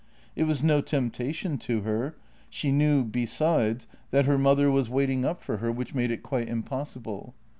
It was no temptation to her — she knew, besides, that her mother was waiting up for 88 JENNY her, which made it quite impossible.